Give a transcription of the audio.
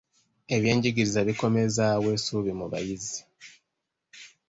Ebyenjigiriza bikomezzaawo essuubi mu bayizi.